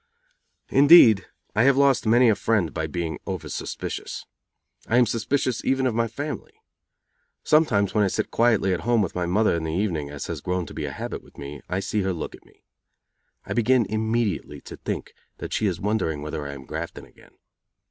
Indeed, I have lost many a friend by being over suspicious. I am suspicious even of my family. Sometimes when I sit quietly at home with my mother in the evening, as has grown to be a habit with me, I see her look at me. I begin immediately to think that she is wondering whether I am grafting again.